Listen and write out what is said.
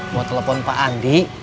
mau telepon pak andi